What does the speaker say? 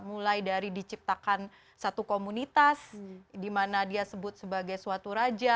mulai dari diciptakan satu komunitas di mana dia sebut sebagai suatu raja